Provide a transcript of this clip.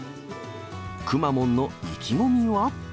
くまモンの意気込みは？